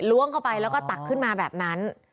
เข้าไปแล้วก็ตักขึ้นมาแบบนั้น